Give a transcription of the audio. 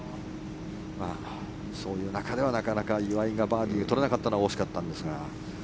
そういう中ではなかなか岩井がバーディーを取れなかったのは惜しかったんですが。